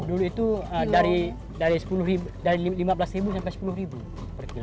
dulu itu dari lima belas sampai sepuluh per kilo